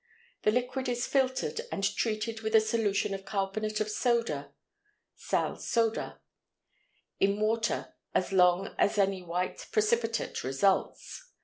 The liquid is filtered and treated with a solution of carbonate of soda (sal soda), in water as long as any white precipitate results.